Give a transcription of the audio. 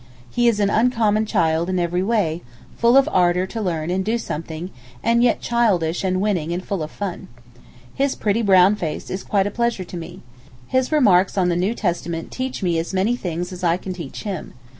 He is an uncommon child in every way, full of ardour to learn and do something, and yet childish and winning and full of fun. His pretty brown face is quite a pleasure to me. His remarks on the New Testament teach me as many things as I can teach him.